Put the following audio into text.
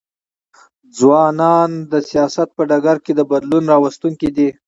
ځوانان د سیاست په ډګر کي د بدلون راوستونکي دي.